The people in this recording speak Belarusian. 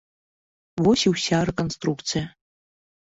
Вось і ўся рэканструкцыя.